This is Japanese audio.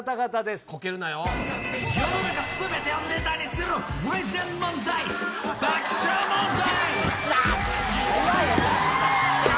世の中全てをネタにするレジェンド漫才師、爆笑問題。